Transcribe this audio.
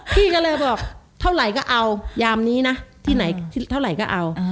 พี่ก็เลยบอกเท่าไหร่ก็เอายามนี้นะที่ไหนเท่าไหร่ก็เอา